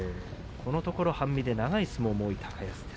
このところ半身で長い相撲も多い高安です。